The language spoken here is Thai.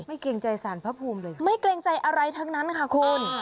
เกรงใจสารพระภูมิเลยไม่เกรงใจอะไรทั้งนั้นค่ะคุณ